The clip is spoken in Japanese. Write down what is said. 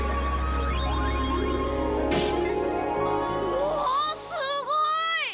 うわすごい！